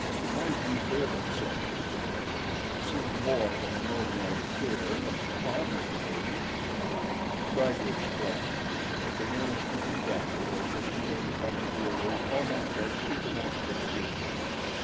"Why do you fear them so?" he asked. "It seems more than any ordinary fear of the harm they can do you." She tried to explain; but the nearest he could gather was that she looked upon the Wieroo almost as supernatural beings.